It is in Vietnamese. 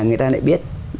người ta lại biết